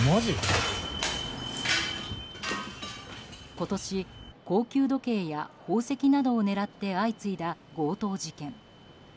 今年、高級時計や宝石などを狙って相次いだ強盗事件。